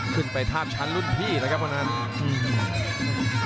ขึ้นไปทาบชั้นรุ่นพี่แล้วกับภรรณาสองคม